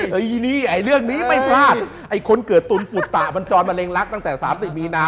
เฮ้ยเรื่องนี้ไม่พลาดไอ้คนเกิดตุ๋นปุตตะมันจอนมะเร็งลักษณ์ตั้งแต่๓๐มีนา